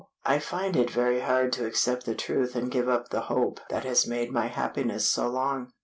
I find it very hard to accept the truth and give up the hope that has made my happiness so long.